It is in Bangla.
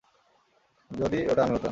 যদি ওটা আমি হতাম!